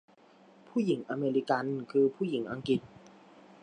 ผู้หญิงอเมริกันคือผู้หญิงอังกฤษ